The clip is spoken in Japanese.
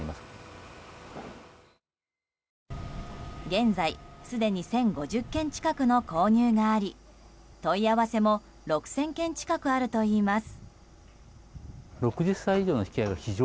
現在すでに１０５０軒近くの購入があり問い合わせも６０００件近くあるといいます。